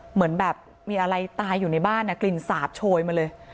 เหมือนแบบมีอะไรตายอยู่ในบ้านกลิ่นสาบโชยมาเลย